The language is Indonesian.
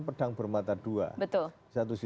pedang bermata dua satu sisi